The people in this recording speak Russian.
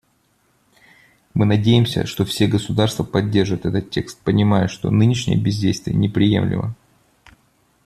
Мы надеемся, что все государства поддержат этот текст, понимая, что нынешнее бездействие неприемлемо.